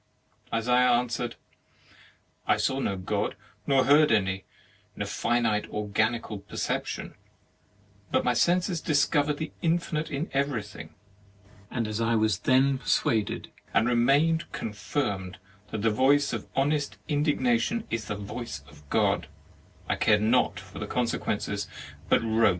Isaiah answered: "I saw no God, nor heard any, in a finite organical perception: but my senses discovered the infinite in everything; and as I was then persuaded, and remained confirmed, that the voice of honest indignation is the voice of God, I cared not for consequences, but wrote.'